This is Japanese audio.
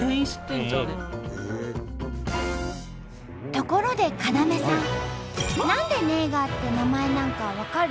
ところで要さん何で「ネイガー」って名前なんか分かる？